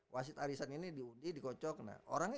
wasit arisan ini diundi dikocok nah orangnya